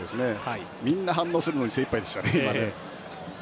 みんな反応するのに精いっぱいでしたね。